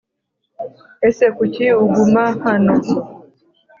ese kuki uguma hano?